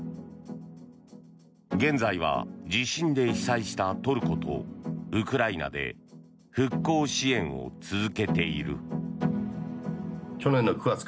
現在は地震で被災したトルコとウクライナで復興支援を続けている。